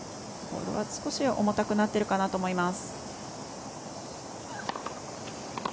少し、重たくなっているかなと思います。